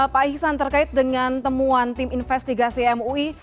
pak iksan terkait dengan temuan tim investigasi mui